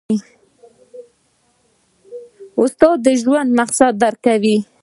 استاد د ژوند مقصد درکوي.